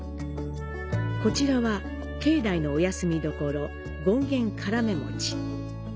こちらは境内のお休み処、「権現からめもち」。